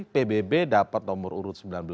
pbb dapat nomor urut sembilan belas